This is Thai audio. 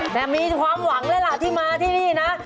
แต่มีความหวังเลยล่ะที่มาที่นี่นะ